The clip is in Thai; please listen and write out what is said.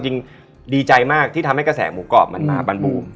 จริงดีใจมากที่ทำให้กระแสหมูกรอบมันมาบรรบูม